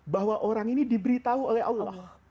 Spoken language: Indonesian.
bahwa orang ini diberitahu oleh allah